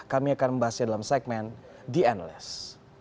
kami akan membahasnya dalam segmen the analyst